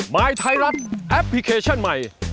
มายไทยรัฐแอปพลิเคชันใหม่